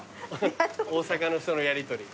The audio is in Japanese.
大阪の人のやりとり。